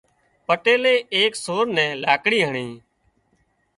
پٽيلي ايڪ سور نين لاڪڙي هڻي